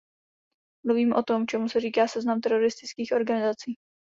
Mluvím o tom, čemu se říká seznam teroristických organizací.